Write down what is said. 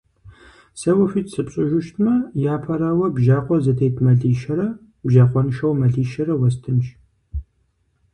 Сэ уэ хуит сыпщӀыжу щытмэ, япэрауэ, бжьакъуэ зытет мэлищэрэ бжьакъуэншэу мэлищэрэ уэстынщ.